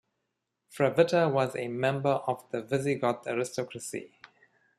Fravitta was a member of the Visigoth aristocracy.